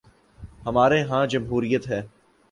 ہمارے ہاں جمہوریت ہے۔